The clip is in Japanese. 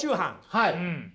はい。